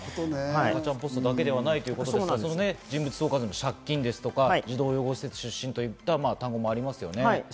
赤ちゃんポストだけではないっていうことですが人物相関の、借金や児童養護施設出身という用語もありますね。